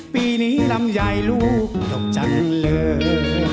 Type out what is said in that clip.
ปีนี้ลำไยลูกดกจังเลย